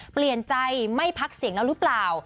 เปลี่ยนใจไม่พักเสียงแล้วหรือเปล่า